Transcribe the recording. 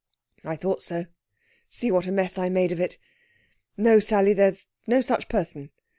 "I thought so. See what a mess I made of it! No, Sally, there's no such person.